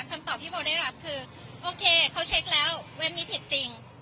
คำตอบที่โบได้รับคือโอเคเขาเช็คแล้วเว็บนี้ผิดจริง